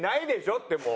ってもう。